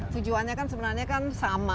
tujuannya kan sebenarnya sama